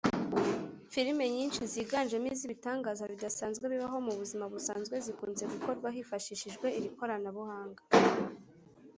Filime nyinshi ziganjemo iz’ibitangaza bidasanzwe bibaho mu buzima busanzwe zikunze gukorwa hifashishijwe iri koranabuhanga